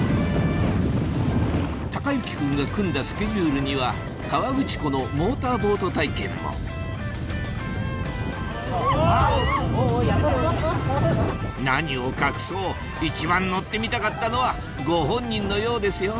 孝之君が組んだスケジュールには河口湖のモーターボート体験も何を隠そう一番乗ってみたかったのはご本人のようですよ